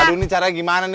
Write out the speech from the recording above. aduh ini caranya gimana ya